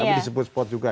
tapi disebut sport juga